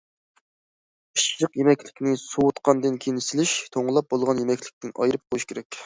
پىششىق يېمەكلىكنى سوۋۇتقاندىن كېيىن سېلىش، توڭلاپ بولغان يېمەكلىكتىن ئايرىپ قويۇش كېرەك.